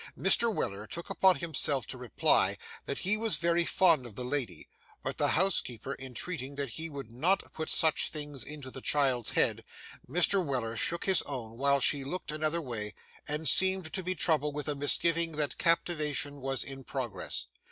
Mr. Weller took upon himself to reply that he was very fond of the lady; but the housekeeper entreating that he would not put such things into the child's head, Mr. Weller shook his own while she looked another way, and seemed to be troubled with a misgiving that captivation was in progress.